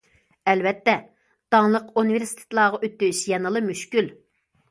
ئەلۋەتتە، داڭلىق ئۇنىۋېرسىتېتلارغا ئۆتۈش يەنىلا مۈشكۈل.